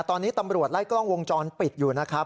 ตอนนี้ตำรวจไล่กล้องวงจรปิดอยู่นะครับ